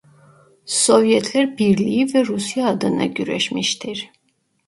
Sovyetler Birliği ve Rusya adına güreşmiştir.